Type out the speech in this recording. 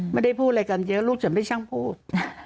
ไม่ได้พูดอะไรกันเยอะลูกฉันไม่ช่างพูด